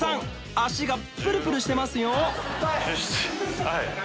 足がプルプルしてますよ酸っぱい！